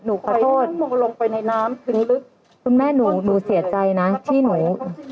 หนูขอโทษหนูลงไปในน้ำถึงลึกคุณแม่หนูหนูเสียใจนะที่หนู